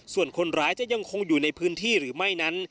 ส่วนคนร้ายจะยังคงอยู่ในพื้นที่หรือไม่นั้น